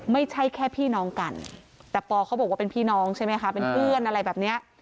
ไม่ใช่แค่พี่น้องกันแต่ปอเขาบอกว่าเป็นพี่น้องใช่ไหมคะเป็นเพื่อนอะไรแบบเนี้ย